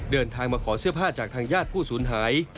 เดินทางมาขอเสื้อผ้าจากทางญาติผู้สูญหาย